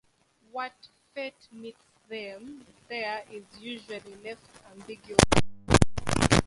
What fate meets them there is usually left ambiguous.